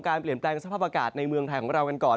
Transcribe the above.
เปลี่ยนแปลงสภาพอากาศในเมืองไทยของเรากันก่อน